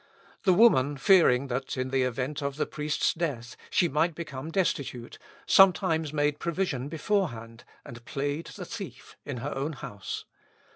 The woman fearing, that, in the event of the priest's death, she might become destitute, sometimes made provision beforehand, and played the thief in her own house.